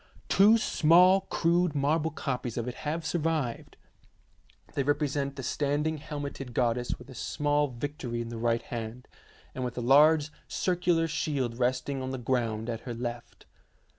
Two small crude marble copies of it have survived. They represent the standing helmeted goddess with a small Victory in the right hand, and with a large circular shield resting on the ground at her left.